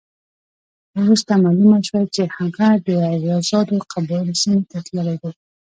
وروسته معلومه شوه چې هغه د آزادو قبایلو سیمې ته تللی دی.